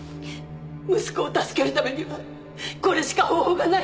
息子を助けるためにはこれしか方法がないんです